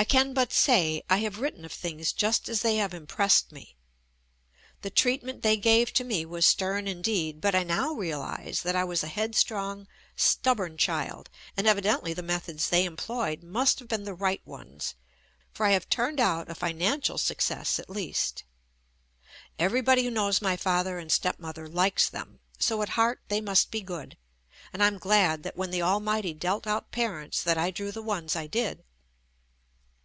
I can but say — I have written of things just as they have impressed me. The treatment they gave to me was stern indeed but I now realize that I was a head strong, stubborn child, and evidently the methods they employed must have been the right ones, for I have turned out a financial success, at least. Everybody who knows my father and stepmother likes them, so at heart they must be good, and I'm glad that when the Almighty dealt out parents that I drew the ones I did.